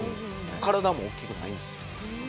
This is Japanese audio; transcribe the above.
体も大きくないんですよ。